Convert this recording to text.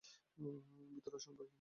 ভিতরে আসুন, ভাই।